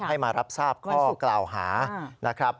ให้มารับทราบข้อกล่าวหานะครับ